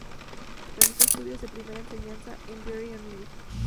Realizó estudios de primera enseñanza en Biar y Onil.